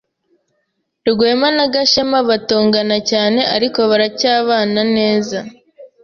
Rwema na Gashema batongana cyane, ariko baracyabana neza.